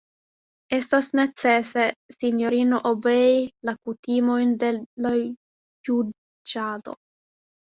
Estas necese, sinjorino, obei la kutimojn de la juĝado.